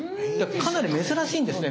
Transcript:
かなり珍しいんですね。